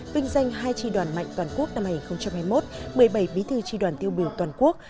vinh danh hai tri đoàn mạnh toàn quốc năm hai nghìn hai mươi một một mươi bảy bí thư tri đoàn tiêu biểu toàn quốc